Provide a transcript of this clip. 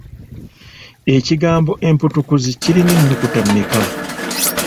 Ekigambo empuutukuzi kirina ennyukuta mmeka?